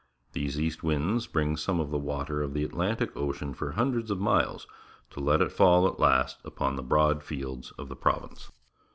These east winds bring some of the water of the Atlantic Ocean for hundreds of miles, to let it fall at last upon the broad fields of the province.